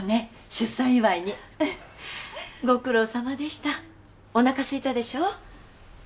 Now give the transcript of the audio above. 出産祝いにうんご苦労さまでしたおなかすいたでしょ？